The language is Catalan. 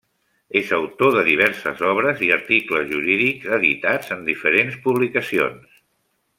És autor de diverses obres i articles jurídics editats en diferents publicacions.